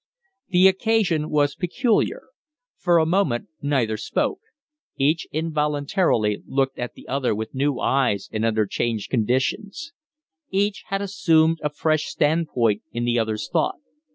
The occasion was peculiar. For a moment neither spoke; each involuntarily looked at the other with new eyes and under changed conditions. Each had assumed a fresh stand point in the other's thought.